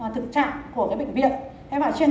thực trạng của cái bệnh viện